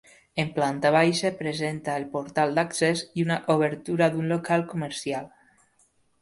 En planta baixa presenta el portal d'accés i una obertura d'un local comercial.